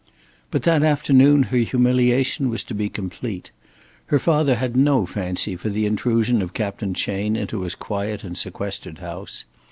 But that afternoon her humiliation was to be complete. Her father had no fancy for the intrusion of Captain Chayne into his quiet and sequestered house.